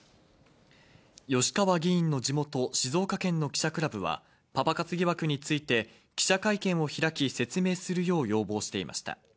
吉川議員の地元、静岡県の記者クラブは、パパ活疑惑について記者会見を開き、説明するよう要望していました。